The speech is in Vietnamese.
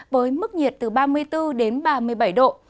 với mức nhiệt từ ba mươi ba ba mươi bốn độ